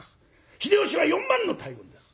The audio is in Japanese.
秀吉は４万の大軍です。